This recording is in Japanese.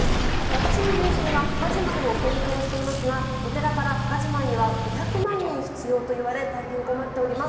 私の友人が墓じまいを検討していますがお寺から墓じまいには５００万円必要と言われ大変困っております。